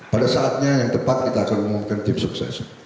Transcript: pada saatnya yang tepat kita akan umumkan tim sukses